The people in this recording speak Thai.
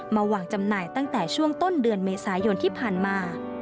วางจำหน่ายตั้งแต่ช่วงต้นเดือนเมษายนที่ผ่านมา